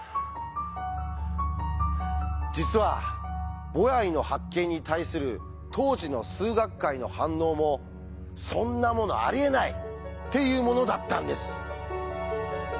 実はボヤイの発見に対する当時の数学界の反応も「そんなものありえない！」っていうものだったんです。